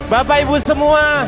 bapak ibu semua